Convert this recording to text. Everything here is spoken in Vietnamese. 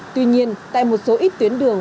tuy nhiên tại một số ít tuyến đường